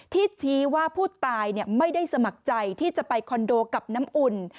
ที่ชี้ว่าผู้ตายไม่ได้สมัครใจที่จะไปคอนโดกับน้ำอุ่น